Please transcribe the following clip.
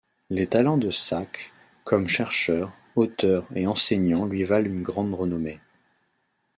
Les talents de Sachs comme chercheur, auteur et enseignant lui valent une grande renommée.